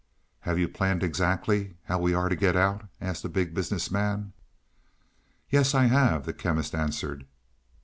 "Have you planned exactly how we are to get out?" asked the Big Business Man. "Yes, I have," the Chemist answered.